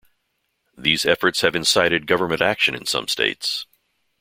These efforts have incited government action in some states.